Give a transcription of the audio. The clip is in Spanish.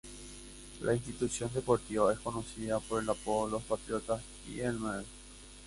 La institución deportiva es conocida por el apodo "Los Patriotas" y "El Nueve".